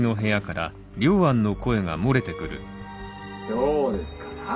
・どうですかな？